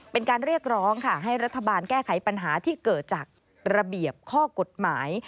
เป็นการเรียกร้องค่ะให้รัฐบาลแก้ไขปัญหาที่เกิดจากระเบียบข้อกฎหมาย